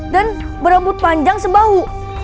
dan berambut panjang sebau